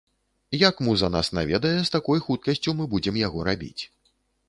Як муза нас наведае, з такой хуткасцю мы будзем яго рабіць.